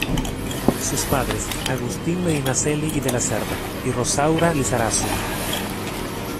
Sus padres: Agustín Medinaceli y de la Zerda y Rosaura Lizarazu.